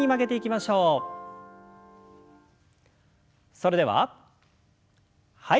それでははい。